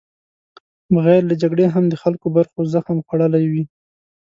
بغیر له جګړې هم د خلکو برخو زخم خوړلی وي.